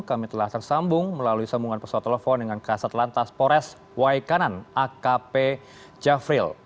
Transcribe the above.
kami telah tersambung melalui sambungan pesawat telepon dengan kasat lantas pores waikanan akp jafril